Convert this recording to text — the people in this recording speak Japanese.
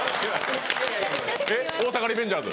『大阪リベンジャーズ』？